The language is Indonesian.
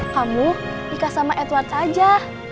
kamu nikah sama edward saja